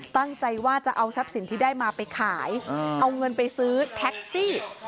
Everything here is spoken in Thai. ตั้งใจว่าจะเอาทรัพย์สินที่ได้มาไปขายเอาเงินไปซื้อแท็กซี่